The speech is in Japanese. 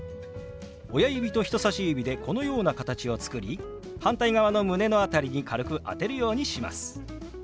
親指と人さし指でこのような形を作り反対側の胸の辺りに軽く当てるようにします。